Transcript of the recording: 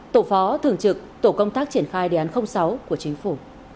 tổ phó thường trực tổ công tác triển khai đề án sáu của chính phủ